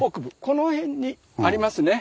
この辺にありますね。